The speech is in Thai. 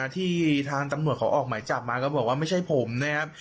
ที่ทางตำรวจเขาออกหมายจับมาก็บอกว่าไม่ใช่ผมนะครับ